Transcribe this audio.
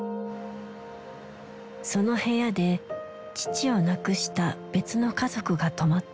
その部屋で父を亡くした別の家族が泊まった。